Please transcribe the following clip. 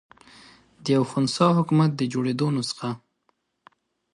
د یوه خنثی حکومت د جوړېدلو نسخه.